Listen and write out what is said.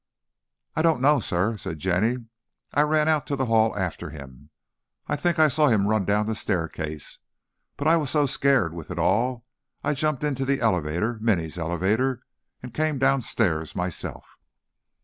"I don't know, sir," said Jenny; "I ran out to the hall after him, I think I saw him run down the staircase, but I, I was so scared with it all, I jumped into the elevator, Minny's elevator, and came downstairs myself."